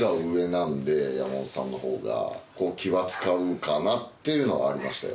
山本さんの方が。っていうのはありましたよ。